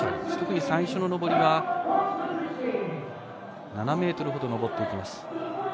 特に最初の上りは７ｍほど上っていきます。